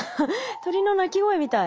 鳥の鳴き声みたい。